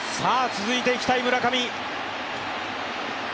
続いていきたい村上。